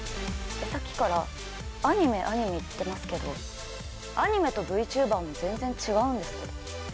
さっきから「アニメアニメ」言ってますけどアニメとＶＴｕｂｅｒも全然違うんですけど？